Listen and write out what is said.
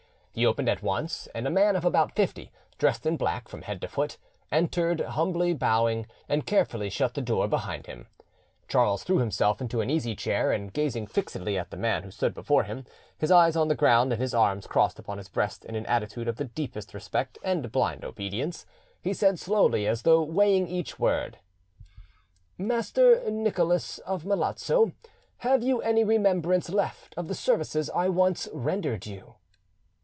He opened at once, and a man of about fifty, dressed in black from head to foot, entered, humbly bowing, and carefully shut the door behind him. Charles threw himself into an easy chair, and gazing fixedly at the man who stood before him, his eyes on the ground and his arms crossed upon his breast in an attitude of the deepest respect and blind obedience, he said slowly, as though weighing each word— "Master Nicholas of Melazzo, have you any remembrance left of the services I once rendered you?"